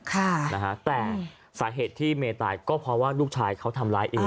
แต่สาเหตุที่เมย์ตายก็เพราะว่าลูกชายเขาทำร้ายเอง